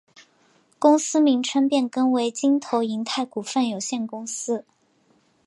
公司名称变更为京投银泰股份有限公司。